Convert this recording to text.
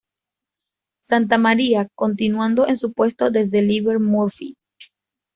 Santa María, continuando en su puesto desde Lever Murphy.